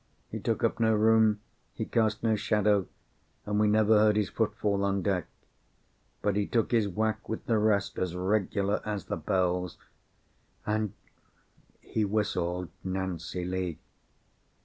He took up no room, he cast no shadow, and we never heard his footfall on deck; but he took his whack with the rest as regular as the bells, and he whistled "Nancy Lee."